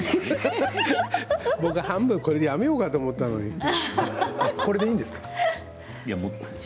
僕は半分これでやめようかと思ったのに。